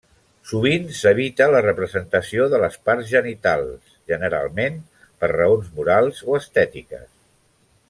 Sovint s'evita la representació de les parts genitals, generalment per raons morals o estètiques.